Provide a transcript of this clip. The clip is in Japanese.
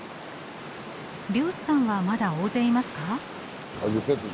漁師さんはまだ大勢いますか？